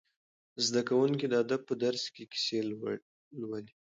زده کوونکي د ادب په درس کې کیسې لوړي.